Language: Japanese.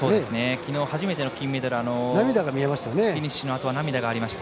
きのう初めての金メダルフィニッシュのあと涙がありました。